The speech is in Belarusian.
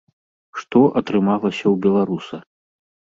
Што атрымалася ў беларуса?